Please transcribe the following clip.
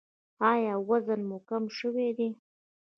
ایا وزن مو کم شوی دی؟